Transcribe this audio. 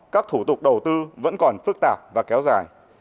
các thủ tục đầu tư vẫn còn phức tạp và kéo dài